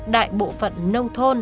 đại bộ phận nông thôn